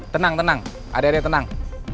tenang tenang ada ada tenang